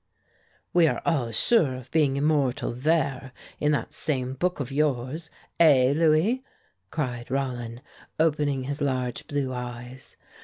"We are all sure of being immortal there, in that same book of yours! Eh! Louis?" cried Rollin, opening his large blue eyes.